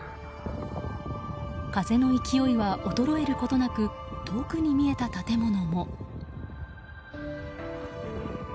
風の勢いは衰えることなく遠くに見えた建物も。